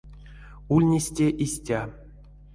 Ульнесь те истя.